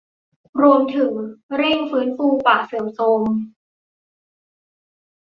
รวมถึงเร่งฟื้นฟูป่าเสื่อมโทรม